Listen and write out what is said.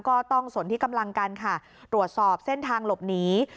ก็ต้องสนที่กำลังกันค่ะตรวจสอบเส้นทางหลบหนี